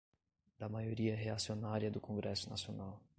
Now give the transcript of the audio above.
da maioria reacionária do Congresso Nacional